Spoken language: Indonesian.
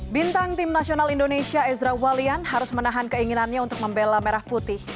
bintang tim nasional indonesia ezra walian harus menahan keinginannya untuk membela merah putih